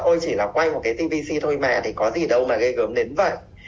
ôi chỉ là quay một cái tvc thôi mà thì có gì đâu mà gây gớm đến vậy